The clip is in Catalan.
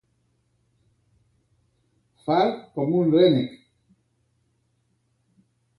Fart com un rènec.